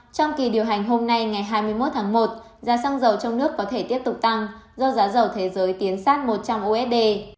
trong kỳ điều hành hôm nay ngày hai mươi một tháng một giá xăng dầu trong nước có thể tiếp tục tăng do giá dầu thế giới tiến sát một trăm linh usd